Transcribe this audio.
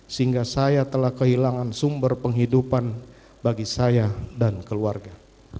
sehingga saya telah kehilangan sumber penghidupan bagi saya dan keluarga